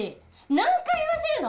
何回言わせるの！